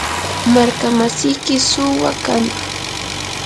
markamasiyki suwa kanaq.